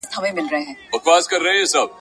صحي خدمات د کار ځواک دوام تضمینوي.